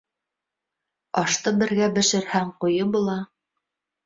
Ашты бергә бешерһәң ҡуйы була.